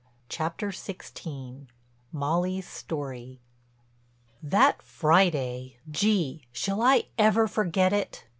CHAPTER XVI—MOLLY'S STORY That Friday—gee, shall I ever forget it!